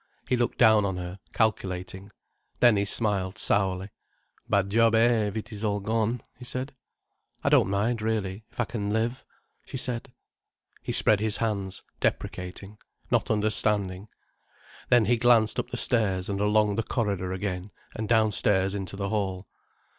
He looked down on her, calculating. Then he smiled sourly. "Bad job, eh, if it is all gone—!" he said. "I don't mind, really, if I can live," she said. He spread his hands, deprecating, not understanding. Then he glanced up the stairs and along the corridor again, and downstairs into the hall.